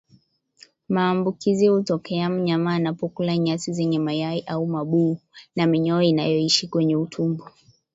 Maambukizi hutokea mnyama anapokula nyasi zenye mayai au mabuu ya minyoo inayoishi kwenye utumbo